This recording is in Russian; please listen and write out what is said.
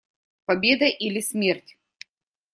Победа или смерть.